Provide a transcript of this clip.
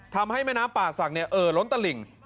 ทำให้แม่น้ำป่าศักดิ์เอ่อล้นตะหลิ่ง